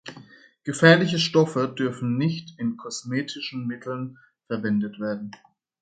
Gefährliche Stoffe dürfen nicht in kosmetischen Mitteln verwendet werden.